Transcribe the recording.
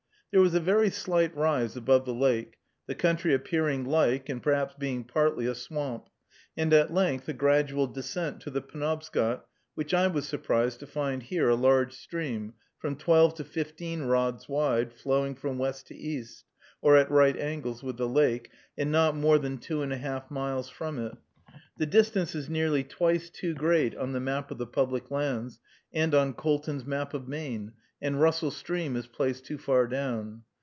There was a very slight rise above the lake, the country appearing like, and perhaps being partly a swamp, and at length a gradual descent to the Penobscot, which I was surprised to find here a large stream, from twelve to fifteen rods wide, flowing from west to east, or at right angles with the lake, and not more than two and a half miles from it. The distance is nearly twice too great on the Map of the Public Lands, and on Colton's Map of Maine, and Russell Stream is placed too far down.